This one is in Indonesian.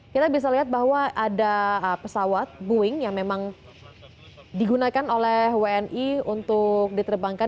kita bisa lihat bahwa ada pesawat boeing yang memang digunakan oleh wni untuk diterbangkan